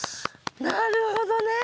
なるほどね。